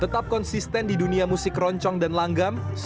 tetap konsisten di dunia musik keroncong dan langgang